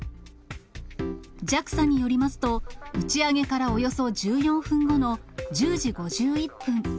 ＪＡＸＡによりますと、打ち上げからおよそ１４分後の１０時５１分。